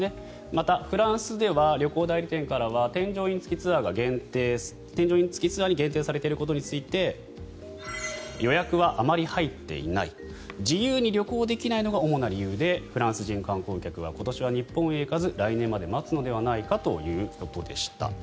また、フランスでは旅行代理店からは添乗員付きツアーに限定されていることについて予約はあまり入っていない自由に旅行できないのが主な理由でフランス人観光客は今年は日本へ行かず来年まで待つのではないかということでした。